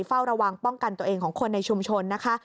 เฝ้าระวังป้องกันตัวเองของคนในชุมชนนะคะ